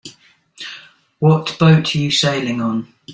What boat you sailing on?